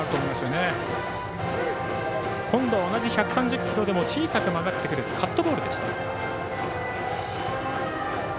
今度は同じ１３０キロでも小さく曲がってくるカットボールでした。